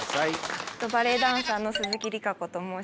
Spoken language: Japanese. バレエダンサーの鈴木里佳子と申します。